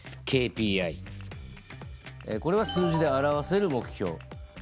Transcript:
えこれは数字で表せる目標。